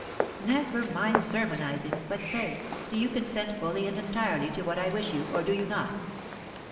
"Never mind sermonising, but say, do you consent fully and entirely to what I wish you, or do you not?